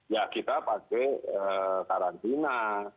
ya kita pakai karantina